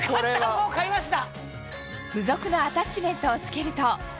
もう買いました。